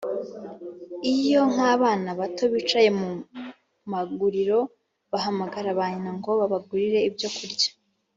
Iyo nk’abana bato bicaye mu maguriro bahamagara ba nyina ngo babagurire ibyo kurya